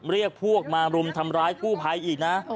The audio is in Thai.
เรียกพวกมารุมทำร้ายกู้ภัยอีกนะ